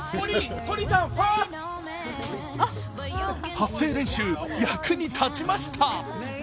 発声練習、役に立ちました。